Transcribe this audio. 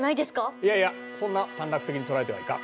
いやいやそんな短絡的に捉えてはいかん。